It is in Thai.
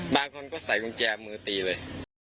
บางคนก็ใส่กุญแจมือตีเลย